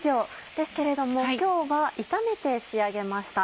ですけれども今日は炒めて仕上げました。